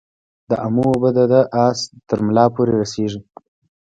د امو اوبه د ده د آس ترملا پوري رسیږي.